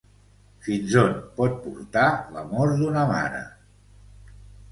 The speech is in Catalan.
Fins on pot portar l’amor d’una mare?